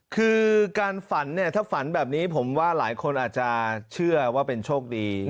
คือการฝันเนี่ยถ้าฝันแบบนี้ผมว่าหลายคนอาจจะเชื่อว่าเป็นโชคดี